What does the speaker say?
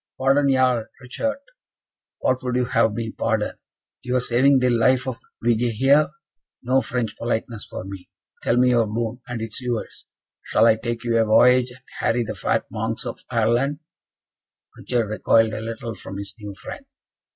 "Pardon, Jarl Richart! What would you have me pardon? your saving the life of Vige here? No French politeness for me. Tell me your boon, and it is yours. Shall I take you a voyage, and harry the fat monks of Ireland?" Richard recoiled a little from his new friend.